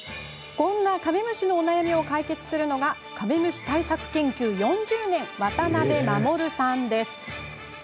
こんなカメムシのお悩みを解決するのがカメムシ対策研究４０年渡辺護さんです。